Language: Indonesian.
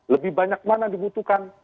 lebih banyak mana dibutuhkan